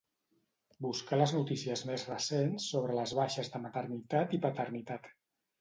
Buscar les notícies més recents sobre les baixes per maternitat i paternitat.